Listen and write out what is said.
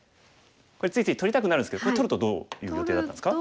これついつい取りたくなるんですけど取るとどういう予定だったんですか？